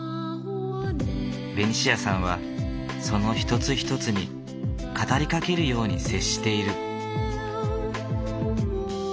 ベニシアさんはその１つ１つに語りかけるように接している。